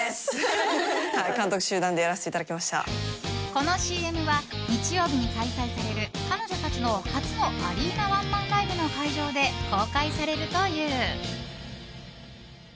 このＣＭは日曜日に開催される彼女たちの初のアリーナワンマンライブの会場で公開されるという。